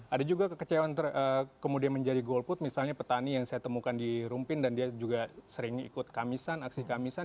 ada juga kekecewaan kemudian menjadi golput misalnya petani yang saya temukan di rumpin dan dia juga sering ikut kamisan aksi kamisan